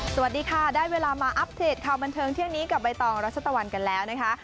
สวัสดีค่ะได้เวลามาอัปเดตข่าวบันเทิงเที่ยงนี้กับใบตองรัชตะวันกันแล้วนะคะ